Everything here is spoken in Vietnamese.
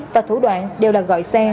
và thủ đoạn đều là gọi xe